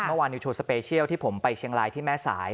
เมื่อวานนิวโชว์สเปเชียลที่ผมไปเชียงรายที่แม่สาย